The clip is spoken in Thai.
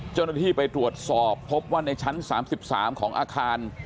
เจ้าหน้าที่ไปตรวจสอบพบว่าในชั้น๓๓ของอาคาร